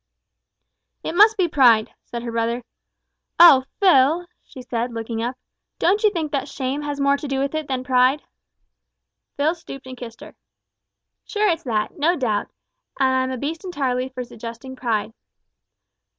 "It must be pride," said her brother. "Oh! Phil," she said, looking up, "don't you think that shame has more to do with it than pride?" Phil stooped and kissed her. "Sure it's that, no doubt, and I'm a beast entirely for suggesting pride."